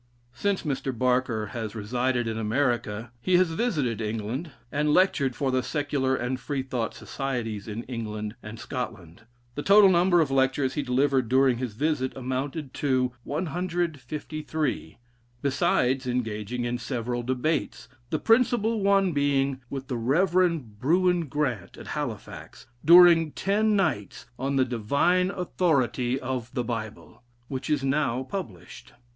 Since Mr. Baker has resided in America, he has visited England, and lectured for the Secular and Freethought Societies in England and Scotland; the total number of lectures he delivered during his visit amounted to 153, besides engaging in several debates, the principal one being with the Rey. Brewin Grant, at Halifax, during ten nights, on the "Divine Authority of the Bible," which is now published.